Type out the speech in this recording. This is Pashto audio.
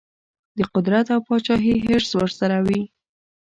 د قدرت او پاچهي حرص ورسره وي.